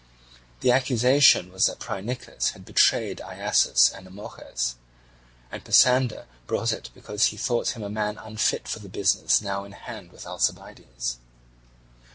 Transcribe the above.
The accusation was that Phrynichus had betrayed Iasus and Amorges; and Pisander brought it because he thought him a man unfit for the business now in hand with Alcibiades.